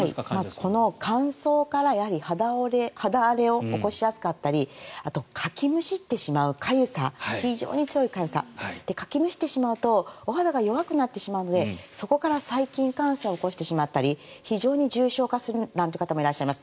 この乾燥から肌荒れを起こしやすかったりあと、かきむしってしまう非常に強いかゆさかきむしってしまうとお肌が弱くなってしまうのでそこから細菌感染を起こしてしまったり非常に重症化する方もいらっしゃいます。